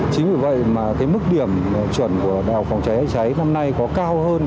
chính vì vậy mà cái mức điểm chuẩn của đại học phòng cháy cháy năm nay có cao hơn